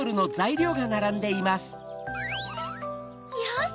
よし！